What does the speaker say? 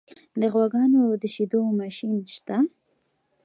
د غواګانو د شیدو ماشین شته؟